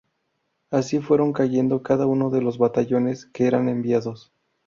Así fueron cayendo cada uno de los batallones que eran enviados.